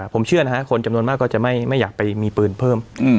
ผมเชื่อนะฮะคนจำนวนมากก็จะไม่อยากไปมีปืนเพิ่ม